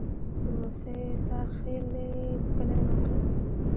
د موسی خیل کلی موقعیت